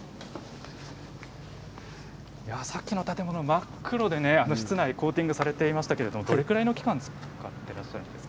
さっきの建物は真っ黒で室内コーティングされていましたけれど、どれぐらいの期間使っていらっしゃるんですか？